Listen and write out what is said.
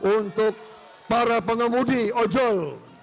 untuk para pengemudi ojol